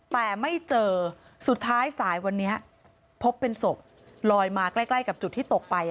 แต่ไม่เจอสุดท้ายสายวันนี้พบเป็นศพลอยมาใกล้กับจุดที่ตกไป